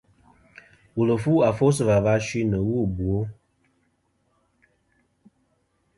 Wùl fu afo sɨ̀ và va suy nɨ̀ wu ɨ bwo.